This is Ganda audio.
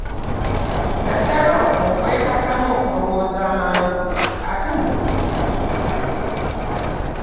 Naddala okwo okwetaagamu okulowooza amangu ate mu butuufu.